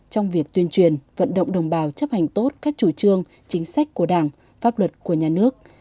trong việc tuyên truyền vận động đồng bào chấp hành tốt các chủ trương chính sách của đảng pháp luật của nhà nước